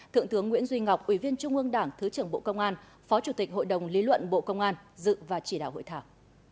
thượng tướng nguyễn duy ngọc ủy viên trung ương đảng thứ trưởng bộ công an phó chủ tịch hội đồng lý luận bộ công an dự và chỉ đạo hội thảo